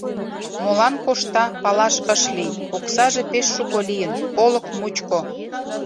Молан кошта, палаш ыш лий, оксаже пеш шуко лийын, олык мучко.